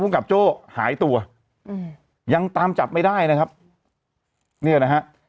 กับโจ้หายตัวอืมยังตามจับไม่ได้นะครับเนี่ยนะฮะ